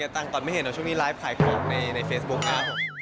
เก็บตังค์ก่อนไม่เห็นว่าช่วงนี้ไลค์ขายโคลกในเฟซบุ๊คนะ